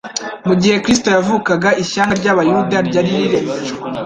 Mu gihe Kristo yavukaga ishyanga ry'Abayuda ryari rirembejwe